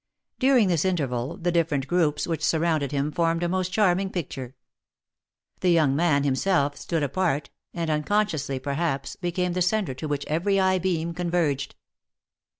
During this interval, the different groups which surrounded him formed a most charming picture. The young man himself stood apart, and unconsciously, perhaps, became the centre to which every eye beam converged.